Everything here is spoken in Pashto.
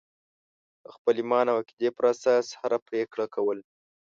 د خپل ایمان او عقیدې پر اساس هره پرېکړه کول.